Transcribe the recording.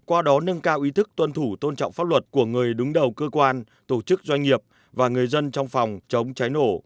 qua đó nâng cao ý thức tuân thủ tôn trọng pháp luật của người đứng đầu cơ quan tổ chức doanh nghiệp và người dân trong phòng chống cháy nổ